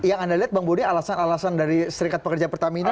yang anda lihat bang boni alasan alasan dari serikat pekerja pertamina